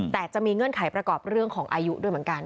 แต่จะมีเงื่อนไขประกอบเรื่องของอายุด้วยเหมือนกัน